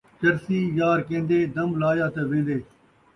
چرسی یار کین٘دے ، دم لایا تے وین٘دے